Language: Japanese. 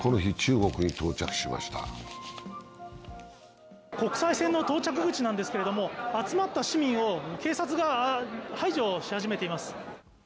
国際線の到着口ですが、集まった市民を警察が排除し始めています。